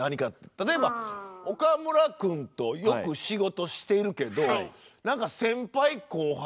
例えば岡村くんとよく仕事しているけどなんか先輩後輩。